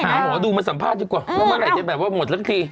หมอดูมาสัมภาษณ์ดีกว่าว่าเมื่อไหร่จะแบบว่าหมดสักที